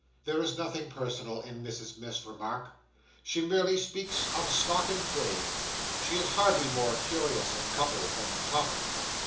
There is nothing personal in Mrs Miff's remark. She merely speaks of stock in trade. She is hardly more curious in couples than in coffins.